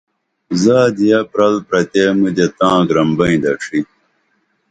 زادیہ پرل پرتے مُدے تاں گرم بئیں دڇھی